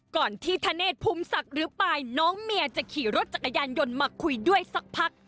ก่อนที่ธเนธภูมิศักดิ์หรือปายน้องเมียจะขี่รถจักรยานยนต์มาคุยด้วยสักพัก